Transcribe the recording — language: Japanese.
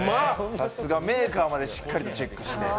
さすが、メーカーまでしっかりチェックして。